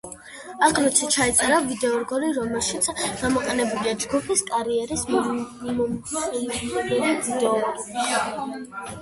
აგრეთვე ჩაიწერა ვიდეორგოლი, რომელშიც გამოყენებულია ჯგუფის კარიერის მიმომხილველი ვიდეოკადრები.